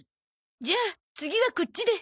じゃあ次はこっちで！